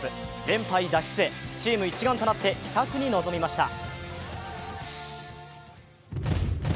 連敗脱出へチーム一丸となって秘策に臨みました。